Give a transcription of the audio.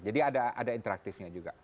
jadi ada interaktifnya juga